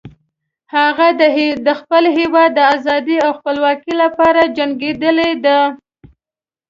هغه د خپل هیواد د آزادۍ او خپلواکۍ لپاره جنګیدلی ده